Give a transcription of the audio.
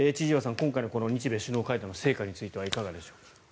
今回の日米首脳会談の成果についてはいかがでしょうか。